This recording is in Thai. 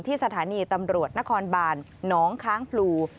สถานีตำรวจนครบานน้องค้างพลู